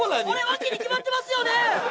ワキに決まってますよね？